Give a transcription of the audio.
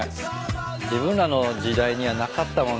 自分らの時代にはなかったもんね